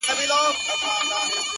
ستا په تعويذ كي به خپل زړه وويني ـ